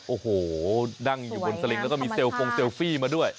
โอ้โหนั่งอยู่บนสลิงแล้วก็มีเซลฟงเซลฟี่มาด้วย